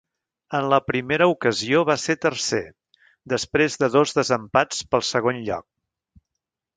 En la primera ocasió va ser tercer, després de dos desempats pel segon lloc.